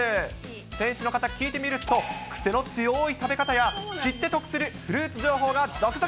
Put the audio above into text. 選手の方、聞いてみると、癖の強い食べ方や知って得するフルーツ情報が続々。